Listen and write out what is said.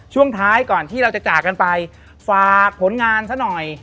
ช่วงท้ายก่อนที่เราจะจากกันไปฝากผลงานซะหน่อย